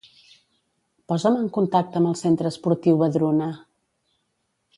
Posa'm en contacte amb el centre esportiu Vedruna.